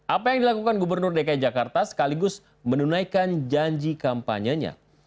apa yang dilakukan gubernur dki jakarta sekaligus menunaikan janji kampanyenya